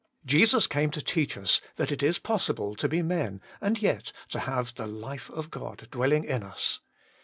Jesus came to teach us that it is possible to be men, and yet to have the life of God dwelling in us.